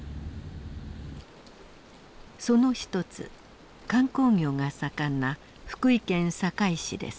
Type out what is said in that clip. その一つ観光業が盛んな福井県坂井市です。